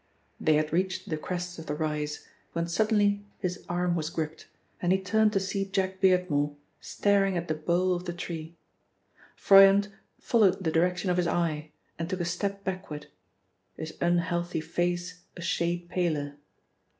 They had reached the crest of the rise, when suddenly his arm was gripped, and he turned to see Jack Beardmore, staring at the bole of the tree. Froyant followed the direction of his eye and took a step backward, his unhealthy face a shade paler.